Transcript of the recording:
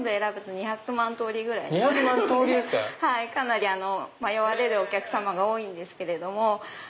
２００万通りですか⁉かなり迷われるお客様が多いんですけれども。